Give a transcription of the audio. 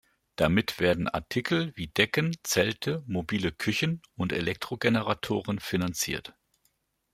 Damit werden Artikel wie Decken, Zelte, mobile Küchen und Elektrogeneratoren finanziert.